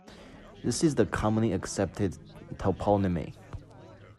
This is the commonly accepted toponymy.